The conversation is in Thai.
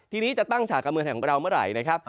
ทีนี้จะตั้งฉากกับเมืองแห่งของเราเมื่อไหร่นะครับ